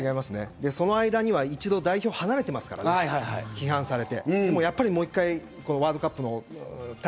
その間には一度代表を離れてますからね、批判されて。